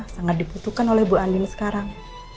sangat dibutuhkan oleh bu andin sekarang